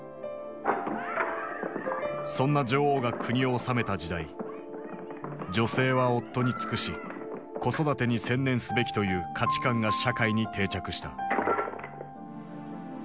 そんな女王が国を治めた時代女性は夫に尽くし子育てに専念すべきという価値観が社会に定着した。